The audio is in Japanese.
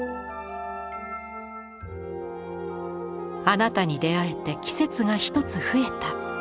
「あなたに出会えて季節がひとつ増えた」。